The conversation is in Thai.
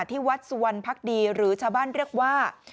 ที่วัดสุวรรณภักดีหรือชาวบ้านเรียกว่า